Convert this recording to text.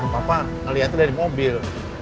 bapak ngeliatnya dari mobil